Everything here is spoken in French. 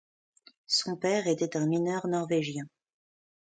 Son père était un mineur norvégien.